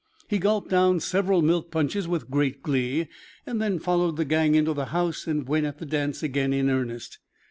He gulped down several milk punches with great glee, and then followed the gang into the house and went at the dance again in earnest.